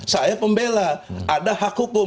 saya pembela ada hak hukum